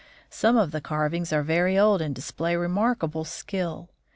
Some of the carvings are very old and display remarkable skill.